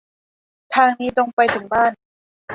ทางนี้ตรงไปถึงบ้าน